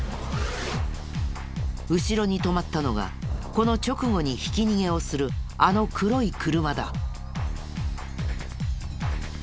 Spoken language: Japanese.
後ろに止まったのがこの直後にひき逃げをするあの黒い車だ。